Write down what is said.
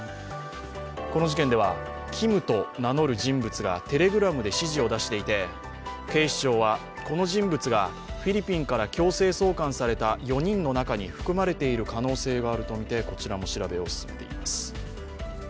この事件では、Ｋｉｍと名乗る人物がＴｅｌｅｇｒａｍで指示を出していて警視庁はこの人物がフィリピンから強制送還された４人の中に含まれている可能性があるとみて、こちらも調べを進めています。